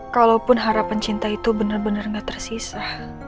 kalaupun harapan cinta itu bener bener gak tersisa